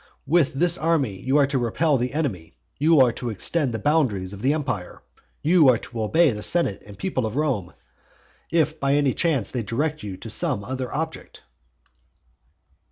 With this army you are to repel the enemy, you are to extend the boundaries of the empire, you are to obey the senate and people of Rome, if by any chance they direct you to some other object.